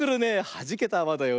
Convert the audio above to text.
はじけたあわだよ。